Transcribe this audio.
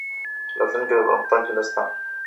راتلونکې کې د پرمختګ هیله شته.